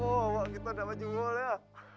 alamu kita tidak menjengol ya